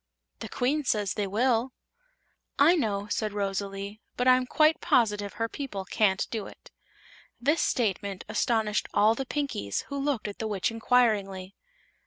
"The Queen says they will." "I know," said Rosalie; "but I'm quite positive her people can't do it." This statement astonished all the Pinkies, who looked at the Witch inquiringly.